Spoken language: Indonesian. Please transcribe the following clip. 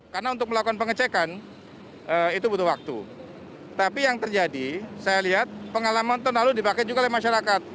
karena untuk melakukan pengecekan itu butuh waktu tapi yang terjadi saya lihat pengalaman terlalu dibakar juga oleh masyarakat